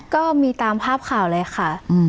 ก็มีตามภาพข่าวเลยค่ะ